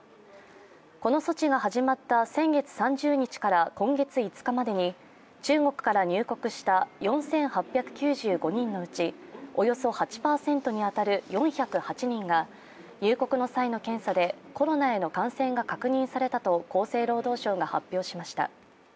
この措置が始まった先月３０日から今月５日までに中国から入国した４８９５人のうちおよそ８％に当たる４０８人が入国の際の検査でコロナへの感染が確認されたと厚生労働省が発表しました。